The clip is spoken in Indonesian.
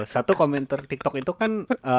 satu komentar tiktok itu kan